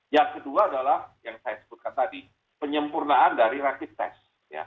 yang kedua adalah yang saya sebutkan tadi penyempurnaan dari rapid test